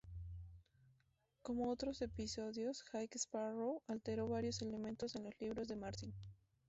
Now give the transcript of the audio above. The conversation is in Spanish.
Como otros episodios, "High Sparrow" alteró varios elementos en los libros de Martin.